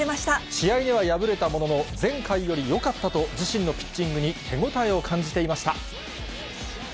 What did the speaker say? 試合には敗れたものの、前回よりよかったと、自身のピッチングに手応えを感じていました。